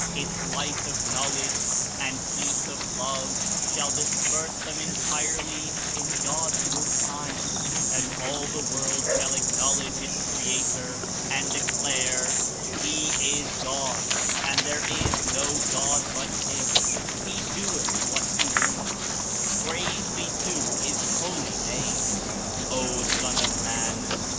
Its light of knowledge and heat of love shall disperse them entirely in God's good time, and all the world shall acknowledge its Creator and declare: "//^ is God, and there is no God but Him/'' ''He docth zihat He willeth f" Praise be to His Holy Name ! ''O Sou of Man!